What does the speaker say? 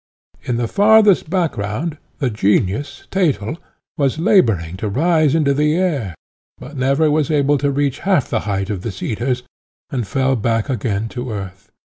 In the farthest background the Genius, Thetel, was labouring to rise into the air, but never was able to reach half the height of the cedars, and fell back again to earth.